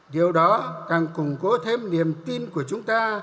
điều đó càng củng cố thêm niềm tin của chúng ta